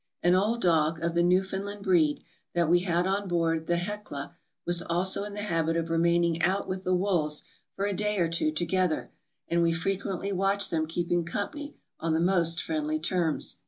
An old dog, of the New foundland breed, that we had on board the 'Hecla,' was also in the habit of remaining out with the wolves for a day or two together; and we frequently watched them keeping company on the most friendly terms.